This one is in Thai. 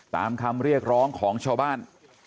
ตามคำเรียกร้องของชาวบ้าน